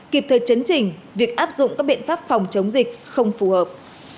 kịp thời chấn chỉnh việc áp dụng các biện pháp phòng chống dịch không phù hợp